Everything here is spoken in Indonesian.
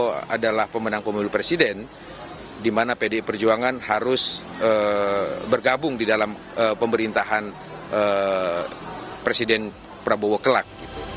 memutus pak prabowo adalah pemenang komunikasi presiden dimana pdip perjuangan harus bergabung di dalam pemerintahan presiden prabowo kelak